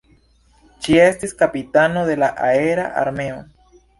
Ŝi estis kapitano de la aera armeo.